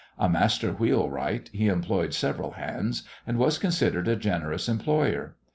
A master wheelwright, he employed several hands, and was considered a generous employer.